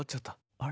あれ。